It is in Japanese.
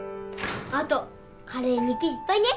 あとカレー肉いっぱいね。